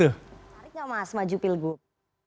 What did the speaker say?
tertarik gak mas maju pilgub